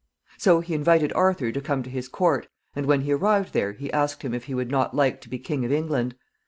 So he invited Arthur to come to his court, and when he arrived there he asked him if he would not like to be King of England.